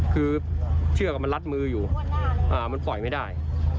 คือเชือกมันรัดมืออยู่มันปล่อยไม่ได้